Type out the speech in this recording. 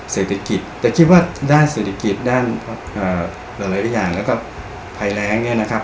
เศรษฐกิจแต่คิดว่าด้านเศรษฐกิจด้านหลายอย่างแล้วก็ภัยแรงเนี่ยนะครับ